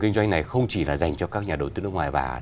kinh doanh này không chỉ là dành cho các nhà đầu tư nước ngoài